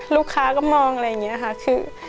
ลูกค้าก็มองอะไรอย่างนี้ค่ะคือ